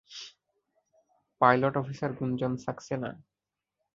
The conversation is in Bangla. Pilot officer Gunjan Saxena?